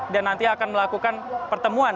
dan nanti akan melakukan pertemuan